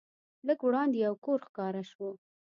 لږ وړاندې یو کور ښکاره شو.